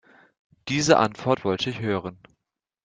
Diese Antwort wollte ich hören.